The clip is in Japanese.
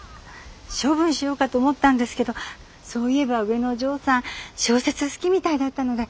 処分しようかと思ったんですけどそういえば上のお嬢さん小説好きみたいだったので。